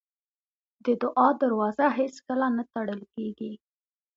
د دعا دروازه هېڅکله نه تړل کېږي.